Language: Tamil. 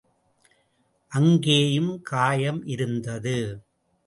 அங்கேயும் காயம் இருந்தது.